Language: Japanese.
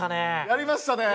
やりましたね。